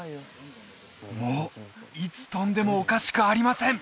もういつ飛んでもおかしくありません